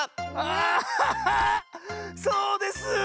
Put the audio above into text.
そうです！